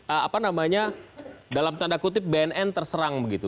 apa namanya dalam tanda kutip bnn terserang begitu